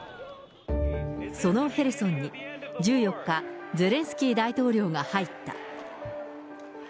そのヘルソンに、１４日、ゼレンスキー大統領が入った。